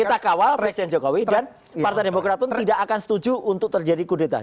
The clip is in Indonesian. kita kawal presiden jokowi dan partai demokrat pun tidak akan setuju untuk terjadi kudeta